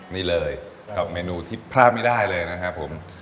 นี่เลยกับเมนูที่พลาดไม่ได้เลยนะครับผม